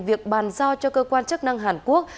việc bàn giao cho cơ quan chức năng hàn quốc